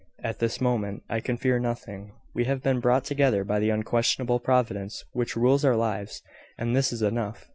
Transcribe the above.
At this moment I can fear nothing. We have been brought together by the unquestionable Providence which rules our lives; and this is enough.